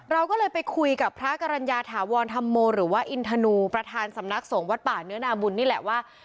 เราก็เลยไปคุยกับพระกรรณญาถาวรธรรมโมหรือว่าอินทนูประธานสำนักสงฆ์วัดป่าเนื้อนาบุญนี่แหละว่า